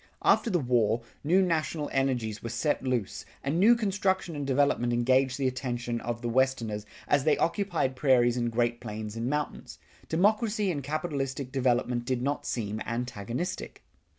After the war, new national energies were set loose, and new construction and development engaged the attention of the Westerners as they occupied prairies and Great Plains and mountains. Democracy and capitalistic development did not seem antagonistic.